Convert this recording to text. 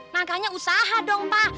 makanya usaha dong pa